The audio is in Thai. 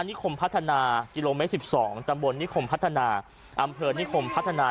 นิคมพัฒนากิโลเมตร๑๒ตำบลนิคมพัฒนาอำเภอนิคมพัฒนา